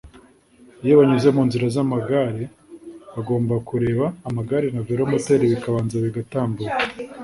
iyo banyuze munzira z’amagare bagomba kureba amagare na velomoteri bikabanza bigatambuka